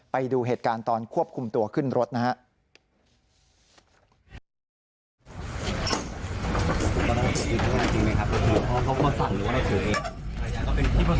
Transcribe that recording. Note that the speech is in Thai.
ไปดูเหตุการณ์ตอนควบคุมตัวขึ้นรถนะครับ